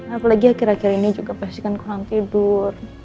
apalagi akhir akhir ini juga pasti kan kurang tidur